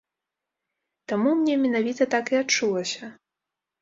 Таму мне менавіта так і адчулася.